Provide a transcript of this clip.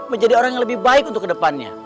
menjadi orang yang lebih baik untuk kedepannya